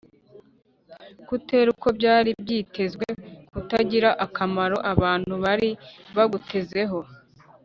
kutera uko byari byitezwe; kutagira akamaro abantu bari bagutezeho